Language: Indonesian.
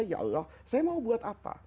ya allah saya mau buat apa